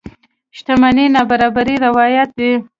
شتمنۍ نابرابرۍ روايت دي.